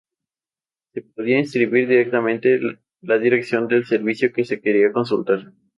Se podía escribir directamente la dirección del servicio que se quería consultar.